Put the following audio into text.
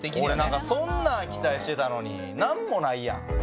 俺なんかそんなん期待してたのになんもないやん。